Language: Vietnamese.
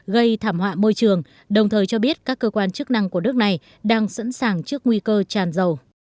gây thảm họa môi trường đồng thời cho biết các cơ quan chức năng của nước này đang sẵn sàng trước nguy cơ tràn dầu